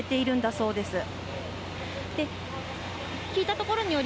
そうですね。